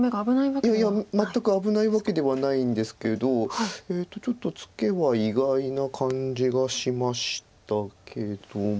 いやいや全く危ないわけではないんですけどちょっとツケは意外な感じがしましたけども。